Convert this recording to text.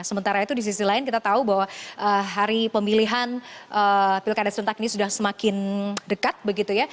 sementara itu di sisi lain kita tahu bahwa hari pemilihan pilkada serentak ini sudah semakin dekat begitu ya